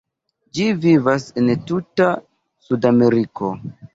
Ĝi vivas en tuta Sudameriko.